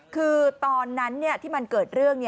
คือตอนนั้นที่มันเกิดเรื่อง